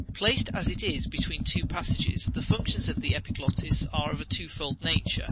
Placed as it is between two passages, the functions of the epiglottis are of a twofold nature.